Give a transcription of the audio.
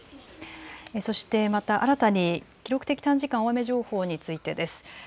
そしてまた新たに記録的短時間大雨情報についてです。